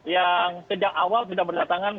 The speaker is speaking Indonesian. yang sejak awal sudah berdatangan